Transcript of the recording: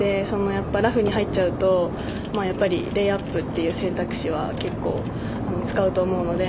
やっぱりラフに入っちゃうとレイアップという選択肢は結構、使うと思うので。